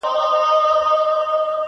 که مي څوک په امیری شمېري امیر یم »-